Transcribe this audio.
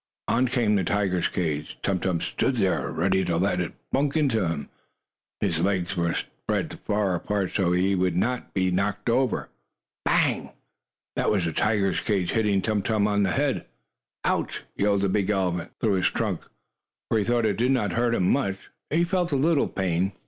On came the tiger's cage. Tum Tum stood there ready to let it bunk into him. His legs were spread far apart so he himself would not be knocked over. Bang! That was the tiger's cage hitting Tum Tum on the head. "Ouch!" yelled the big elephant through his trunk, for though it did not hurt him much, he felt a little pain.